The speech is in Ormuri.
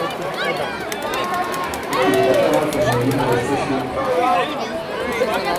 تُو کی يې پته هۀ که مهئينه زر څۀ ݭیوک؟